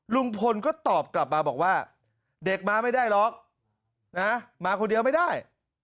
ลุงพลก็ตอบกลับมาบอกว่าเด็กมาไม่ได้หรอกนะมาคนเดียวไม่ได้